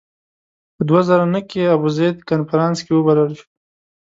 په دوه زره نهه کې ابوزید کنفرانس کې وبلل شو.